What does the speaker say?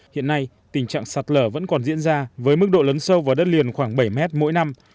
hiện nay tình trạng sạt lở vẫn còn diễn ra với mức độ lớn sâu vào đất liền khoảng bảy mét mỗi năm